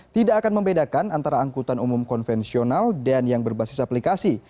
tidak akan membedakan antara angkutan umum konvensional dan yang berbasis aplikasi